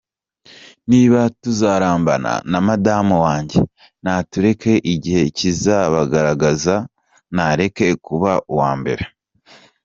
Niba tutazarambana na madamu wanjye natureke, igihe kizabigaragaza, nareke kuba uwa mbere muguca imanza.